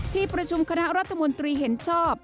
ที่ประชุมคณะรัฐมนตรีเห็นชอบ